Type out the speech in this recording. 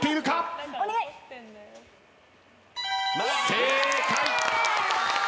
正解。